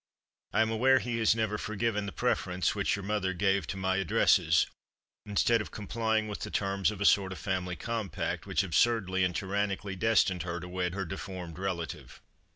I am aware he has never forgiven the preference which your mother gave to my addresses, instead of complying with the terms of a sort of family compact, which absurdly and tyrannically destined her to wed her deformed relative.